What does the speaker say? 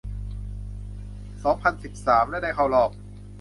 สองพันสิบสาม และได้เข้ารอบ